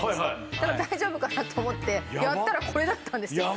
だから大丈夫かなと思ってやったらこれだったんですよ。